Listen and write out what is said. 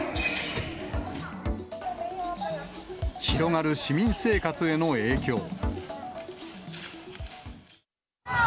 広がる市民生活への影響。